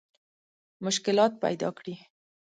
مشکلات پیدا کړي.